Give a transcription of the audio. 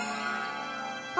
あ！